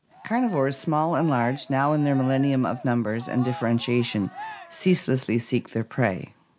Car nivores small and large, now in their millennium of numbers and differentiation, ceaselessly seek their prey.